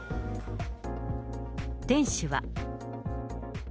店主は。